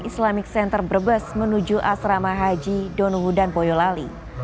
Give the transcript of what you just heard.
islamic center brebes menuju asrama haji donuhu dan boyolali